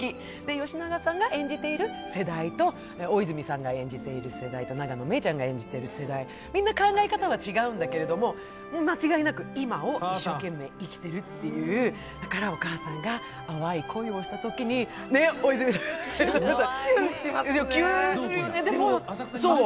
吉永さんが演じていてる世代と大泉さんが演じている世代と永野芽郁ちゃんが演じている世代、みんな考え方は違うんだけれども、間違いなく今を一生懸命生きてるっていう、だからお母さんが淡い恋をしたときにキュンするよね。